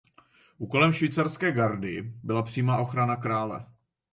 Úkolem Švýcarské gardy byla přímá ochrana krále.